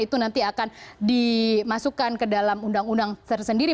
itu nanti akan dimasukkan ke dalam undang undang tersendiri